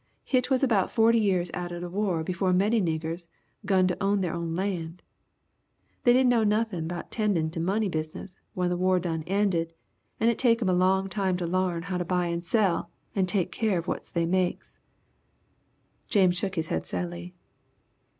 "Hit was about 40 years atter the war befo' many niggers 'gun to own they own lan'. They didn' know nothin' 'bout tendin' to money business when the war done ended and it take 'em a long time to larn how to buy and sell and take care of what they makes." James shook his head sadly.